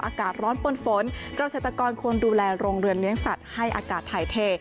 อากาศร้อนปนฝนเกษตรกรควรดูแลโรงเรือนเลี้ยงสัตว์ให้อากาศถ่ายเท